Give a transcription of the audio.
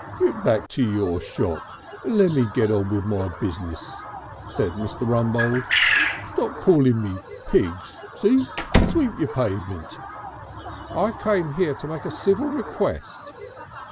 "Get back to your shop and lemme get on with my business," said Mr. Rumbold. "Stop calling me pigs. See? Sweep your pavemint." "I came here to make a civil request."